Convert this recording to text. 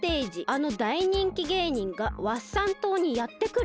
あの大人気芸人がワッサン島にやってくる！」。